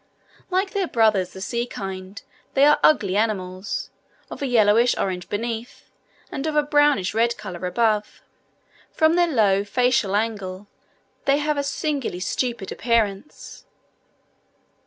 Like their brothers the sea kind, they are ugly animals, of a yellowish orange beneath, and of a brownish red colour above: from their low facial angle they have a singularly stupid appearance.